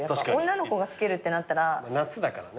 女の子が着けるってなったら。